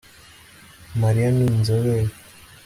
Mariya ni inzobere